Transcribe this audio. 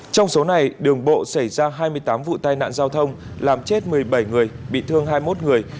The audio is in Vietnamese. trong số này đường bộ xảy ra hai mươi tám vụ tai nạn giao thông làm chết một mươi bảy người bị thương hai mươi một người